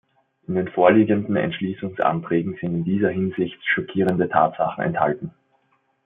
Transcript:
In den vorliegenden Entschließungsanträgen sind in dieser Hinsicht schockierende Tatsachen enthalten.